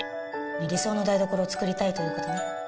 理想の台所を作りたいということね。